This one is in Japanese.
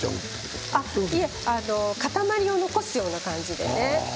塊を残すような感じでね。